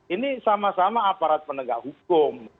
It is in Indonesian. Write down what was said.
ini sama sama aparat penegak hukum